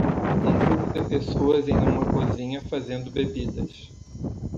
Um grupo de pessoas em uma cozinha fazendo bebidas.